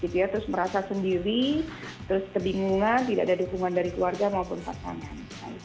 terus merasa sendiri terus kebingungan tidak ada dukungan dari keluarga maupun pasangan